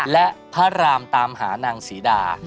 และพระรามตามหานางศรีดา